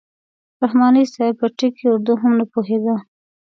رحماني صاحب په ټکي اردو هم نه پوهېده.